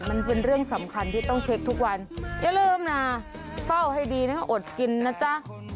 มันเป็นเรื่องสำคัญที่ต้องเช็คทุกวันอย่าลืมนะเฝ้าให้ดีนะก็อดกินนะจ๊ะ